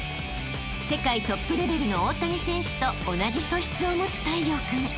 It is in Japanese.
［世界トップレベルの大谷選手と同じ素質を持つ太陽君］